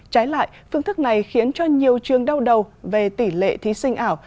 trái lại phương thức này khiến cho nhiều trường đau đầu về tỷ lệ thí sinh ảo